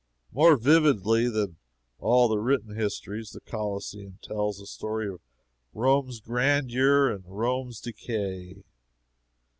More vividly than all the written histories, the Coliseum tells the story of Rome's grandeur and Rome's decay.